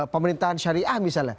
pemerintahan syariah misalnya